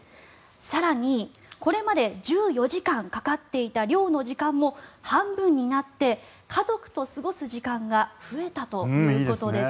更に、これまで１４時間かかっていた漁の時間も半分になって家族と過ごす時間が増えたということです。